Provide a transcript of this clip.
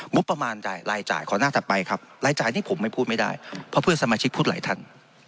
ประมาณรายจ่ายขอหน้าถัดไปครับรายจ่ายนี่ผมไม่พูดไม่ได้เพราะเพื่อนสมาชิกพูดหลายท่าน